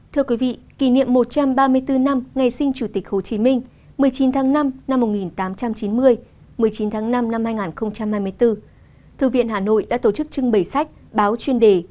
thưa quý vị kỷ niệm một trăm ba mươi bốn năm ngày sinh chủ tịch hồ chí minh một mươi chín tháng năm năm một nghìn tám trăm chín mươi một mươi chín tháng năm năm hai nghìn hai mươi bốn thư viện hà nội đã tổ chức trưng bày sách báo chuyên đề